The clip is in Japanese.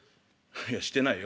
「いやしてないよ。